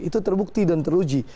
itu terbukti dan terluji